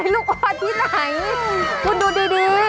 ลูกวานที่ไหนคุณดูดี